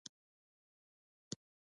د بریښنایی تادیاتو سیستم جوړیږي